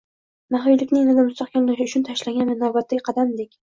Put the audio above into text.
maxfiylikni yanada mustahkamlash uchun tashlangan navbatdagi qadamdek.